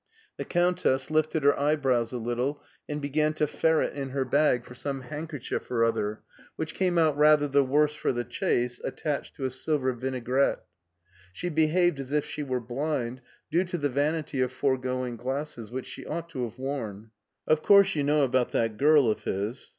The Countess lifted her eyebrows a little, and began to ferret in her bag for some handkerchief or other, which came out rather the worse for the chase, at tached to a silver vinaigrette. She behaved as if she were blind, due to the vanity of foregoing glasses, which she ought to have worn. '* Of course you know about that girl of his."